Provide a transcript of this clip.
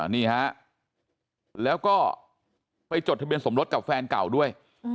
นี่ฮะแล้วก็ไปจดทะเบียนสมรสกับแฟนเก่าด้วย